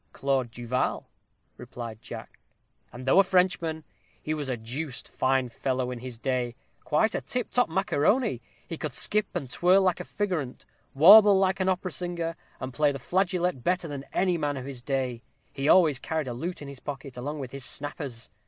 "Claude Du Val," replied Jack; "and though a Frenchman, he was a deuced fine fellow in his day quite a tip top macaroni he could skip and twirl like a figurant, warble like an opera singer, and play the flageolet better than any man of his day he always carried a lute in his pocket, along with his snappers.